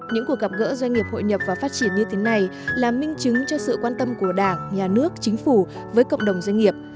những cuộc gặp gỡ doanh nghiệp hội nhập và phát triển như thế này là minh chứng cho sự quan tâm của đảng nhà nước chính phủ với cộng đồng doanh nghiệp